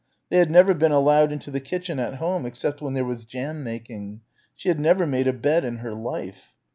They had never been allowed into the kitchen at home except when there was jam making ... she had never made a bed in her life....